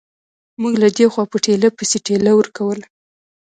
موږ له دې خوا په ټېله پسې ټېله ورکوله.